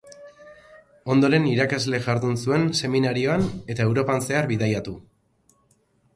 Ondoren irakasle jardun zuen seminarioan eta Europan zehar bidaiatu.